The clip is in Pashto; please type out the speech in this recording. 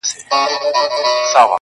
زلیخا دي کړه شاعره زه دي هلته منم عشقه,